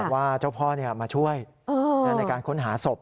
ว่าเจ้าพ่อมาช่วยในการค้นหาศพ